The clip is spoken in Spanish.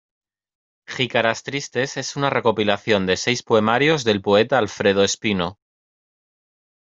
Jícaras Tristes es una recopilación de seis poemarios del poeta Alfredo Espino.